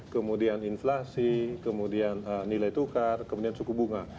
kemudian inflasi kemudian nilai tukar kemudian suku bunga